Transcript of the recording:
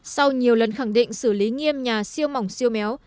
sau nhiều lần khẳng định xử lý nghiêm nhà siêu mỏng siêu méo